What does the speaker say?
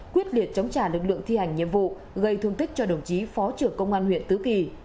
quyết liệt chống trả lực lượng thi hành nhiệm vụ gây thương tích cho đồng chí phó trưởng công an huyện tứ kỳ